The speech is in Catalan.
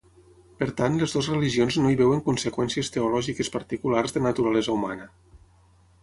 Per tant les dues religions no hi veuen conseqüències teològiques particulars de naturalesa humana.